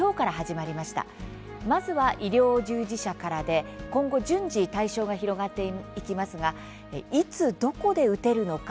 まずは医療従事者からで今後順次対象が広がっていきますがいつどこで打てるのか？